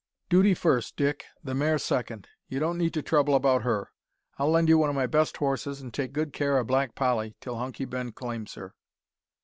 "Duty first, Dick, the mare second. You don't need to trouble about her. I'll lend ye one o' my best horses an' take good care o' Black Polly till Hunky Ben claims her."